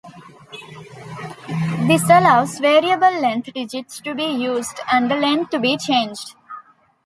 This allows variable length digits to be used and the length to be changed.